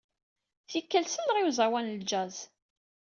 Tikkal, selleɣ i uẓawan n jazz.